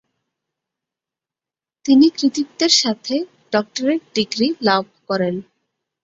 তিনি কৃতিত্বের সাথে ডক্টরেট ডিগ্রি লাভ করেন।